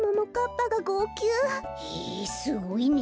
へえすごいね！